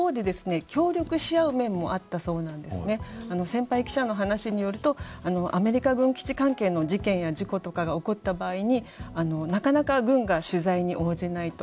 先輩記者の話によるとアメリカ軍基地関係の事件や事故とかが起こった場合になかなか軍が取材に応じないと。